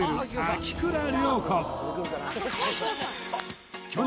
秋倉諒子